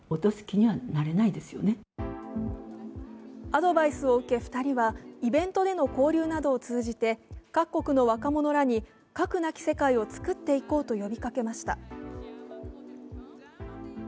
アドバイスを受け、２人はイベントでの交流などを通じて各国の若者らに核なき世界を作っていこうと呼びかけました。